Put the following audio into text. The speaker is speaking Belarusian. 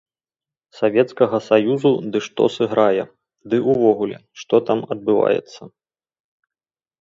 Савецкага саюзу ды што сыграе, ды ўвогуле, што там адбываецца.